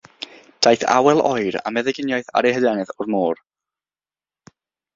Daeth awel oer, a meddyginiaeth ar ei hadenydd, o'r môr.